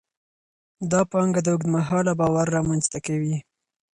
دا پانګه د اوږد مهاله باور رامینځته کوي.